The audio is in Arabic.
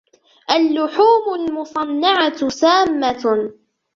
اللحوم المصنعة سامة.